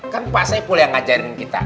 kan pak saiful yang ngajarin kita